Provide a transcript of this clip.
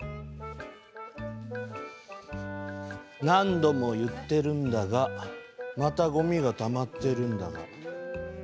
何度も言っているんだがまた、ごみがたまっているんだ。